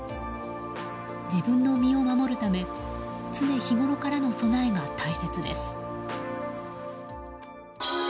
自分の身を守るため常日頃からの備えが大切です。